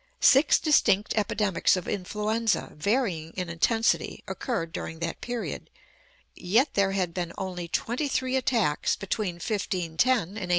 Six distinct epidemics of influenza, varying in intensity, occurred during that period; yet there had been only twenty three attacks between 1510 and 1890.